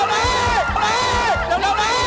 เร็ว